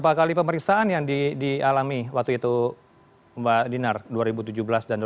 berapa kali pemeriksaan yang dialami waktu itu mbak dinar dua ribu tujuh belas dan dua ribu delapan